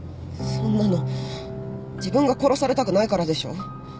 そんなの自分が殺されたくないからでしょ。